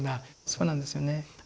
そうなんですよね。